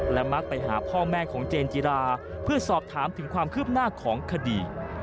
และมักไปหาพ่อแม่ของเจนจิราเพื่อสอบถามถึงความคืบหน้าของคดี